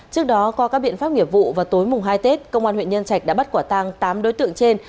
trước đó có các biện pháp nghiệp vụ và tối mùng hai tết công an huyện nhân trạch đã bắt quả tăng tám đối tượng trên